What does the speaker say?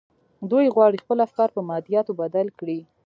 دوی غواړي خپل افکار پر مادياتو بدل کړي.